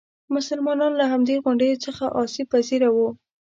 مسلمانان له همدې غونډیو څخه آسیب پذیره وو.